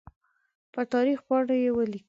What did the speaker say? په تاریخ پاڼو یې ولیکل.